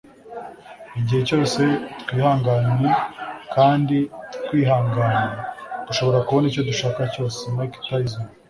igihe cyose twihanganye kandi twihangana, dushobora kubona icyo dushaka cyose. - mike tyson